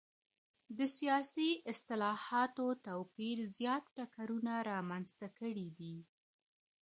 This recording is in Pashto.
د سياسي اصطلاحاتو توپير زيات ټکرونه رامنځته کړي دي.